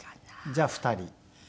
じゃあ２人。